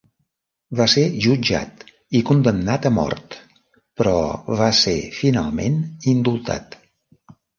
Va ser jutjat i condemnat a mort però va ser finalment indultat.